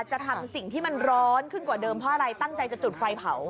จะทำสิ่งที่มันร้อนขึ้นกว่าเดิมเพราะอะไรตั้งใจจะจุดไฟเผา